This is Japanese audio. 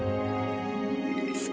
好き。